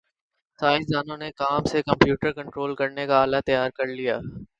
سائنسدانوں نے کام سے کمپیوٹر کنٹرول کرنے کا آلہ تیار کرلیا